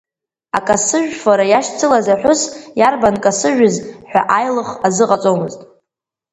Акасыжәфара иашьцылаз аҳәыс иарбан касыжәыз ҳәа аилых азыҟаҵомызт.